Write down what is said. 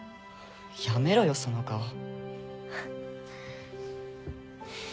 やめろよその顔。